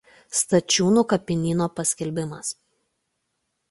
Stačiūnų kapinyno paskelbimas.